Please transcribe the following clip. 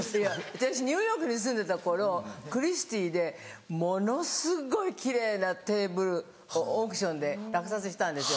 私ニューヨークに住んでた頃クリスティーでものすごい奇麗なテーブルをオークションで落札したんですよ。